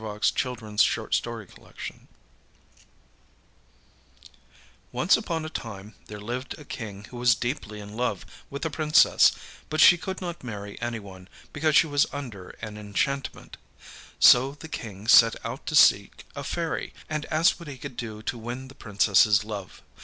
PRINCE HYACINTH AND THE DEAR LITTLE PRINCESS Once upon a time there lived a king who was deeply in love with a princess, but she could not marry anyone, because she was under an enchantment. So the King set out to seek a fairy, and asked what he could do to win the Princessâs love.